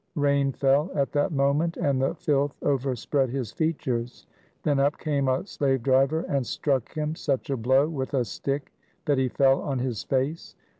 Rain fell at that moment and the filth overspread his features. Then up came a slave driver and struck him such a blow with a stick that he fell on his face.